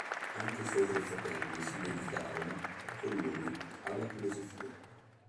Anche i suoi tre fratelli si dedicarono con lui alla filosofia.